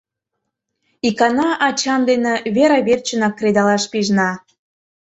Икана ачам дене вера верчынак кредалаш пижна.